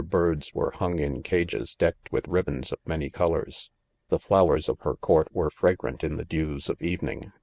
birds were hung in cages decked, with ribands of many col ors, 'The flowers of her court were fragrant in the dews of evening